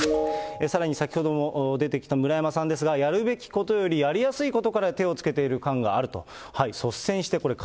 さらに、先ほども出てきた村山さんですが、やるべきことよりやりやすいことから手をつけている感があると。